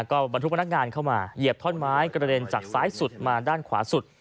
ก็บรรทุกพนักงานเข้ามาเหยียบท่อนไม้กระเด็นจากซ้ายสุดมาด้านขวาสุด